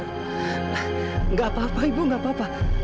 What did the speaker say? tidak apa apa ibu tidak apa apa